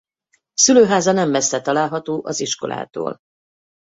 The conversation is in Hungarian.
Szülőháza nem messze található az iskolától.